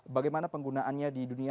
bagaimana penggunaannya di dunia